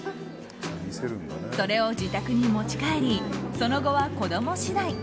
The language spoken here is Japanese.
それを自宅に持ち帰りその後は子供次第。